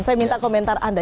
saya minta komentar anda